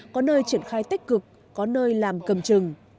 có nơi triển khai tích cực có nơi làm cầm trừng